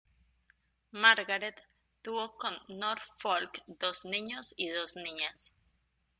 Margaret tuvo con Norfolk dos niños y dos niñas.